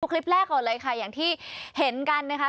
คลิปแรกก่อนเลยค่ะอย่างที่เห็นกันนะคะ